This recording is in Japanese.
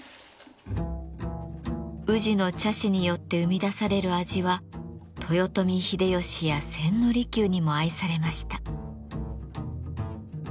宇治の茶師によって生み出される味は豊臣秀吉や千利休にも愛されました。